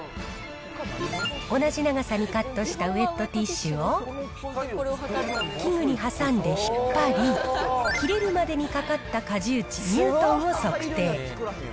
同じ長さにカットしたウエットティッシュを、器具に挟んで引っ張り、切れるまでにかかった荷重値ニュートンを測定。